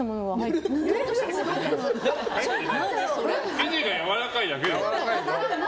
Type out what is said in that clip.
生地がやわらかいだけだよ。